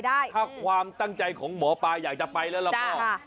ถ้าความตั้งใจของหมอปลาอยากจะไปแล้วหรือเปล่า